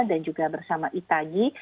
dan juga bersama itagi